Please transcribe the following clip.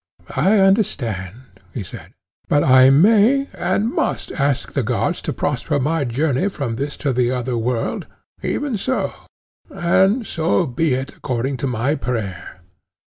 I understand, he said: but I may and must ask the gods to prosper my journey from this to the other world—even so—and so be it according to my prayer.